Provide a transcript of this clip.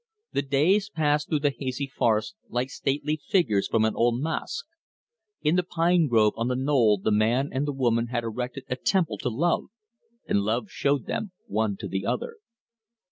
The days passed through the hazy forest like stately figures from an old masque. In the pine grove on the knoll the man and the woman had erected a temple to love, and love showed them one to the other.